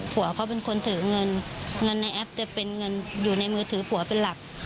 ผัวเขาเป็นคนถือเงินเงินในแอปจะเป็นเงินอยู่ในมือถือผัวเป็นหลัก